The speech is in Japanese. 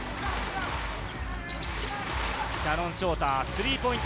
シャノン・ショーター、スリーポイント。